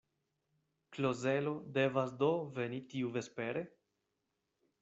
Klozelo devas do veni tiuvespere?